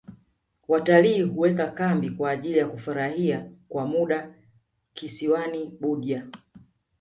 watalii huweka kambi kwa ajili ya kufurahia kwa muda kisiwani budya